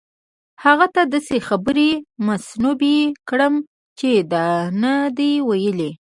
هغه ته داسې خبرې منسوبې کړم چې ده نه دي ویلي.